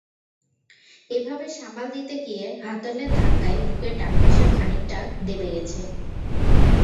এভাবে সামাল দিতে গিয়ে হাতলের ধাক্কায় বুকের ডান পাশের খানিকটা দেবে গেছে।